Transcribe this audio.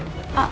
oh baik pak